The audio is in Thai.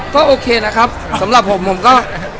ก็โอเคนะครับสำหรับผมผมก็